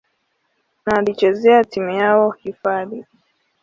na alichezea timu yao hifadhi.